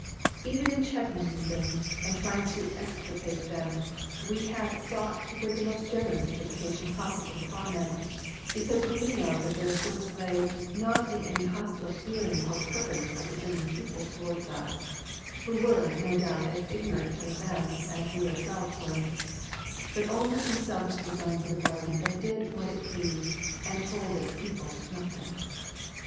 Even in checking these things and trying to extirpate them we have sought to put the most generous interpretation possible upon them because we knew that their source lay, not in any hostile feeling or purpose of the German people towards us (who were, no doubt as ignorant of them as we ourselves were), but only in the selfish designs of a government that did what it pleased and told its people nothing.